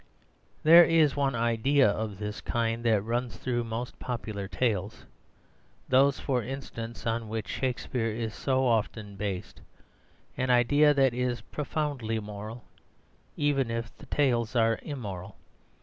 There is one idea of this kind that runs through most popular tales (those, for instance, on which Shakespeare is so often based) an idea that is profoundly moral even if the tales are immoral.